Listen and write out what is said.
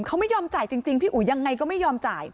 เขาไม่ยอมจ่ายจริงพี่อุ๋ยยังไงก็ไม่ยอมจ่าย